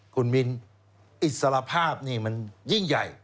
คุณมินอิสรภาพนี่มันยิ่งใหญ่